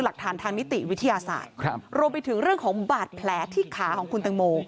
หลักฐานทางนิติวิทยาศาสตร์รวมไปถึงเรื่องของบาดแผลที่ขาของคุณตังโม